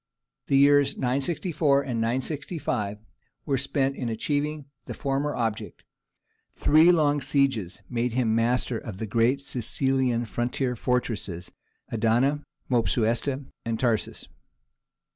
The years 964 and 965 were spent in achieving the former object: three long sieges made him master of the great Cilician frontier fortresses, Adana, Mopsuestia, and Tarsus.